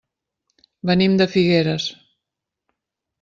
Venim de Figueres.